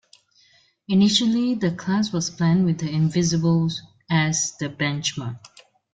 Initially the class was planned with the "Invincible"s as the benchmark.